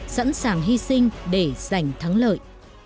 sẵn sàng hy sinh để giành thắng lợi